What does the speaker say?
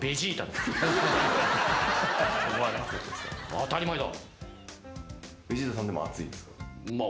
当たり前だ。